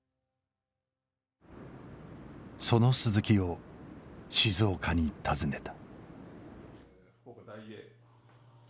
その鈴木を静岡に訪ねた。